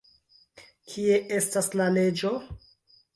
Kie estas la leĝo?